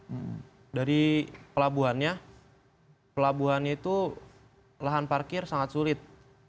nah dari pelabuhannya pelabuhannya itu lahan parkir sangat sulit